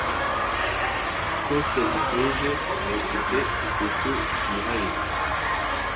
Coaster zituje zifite isuku yihariye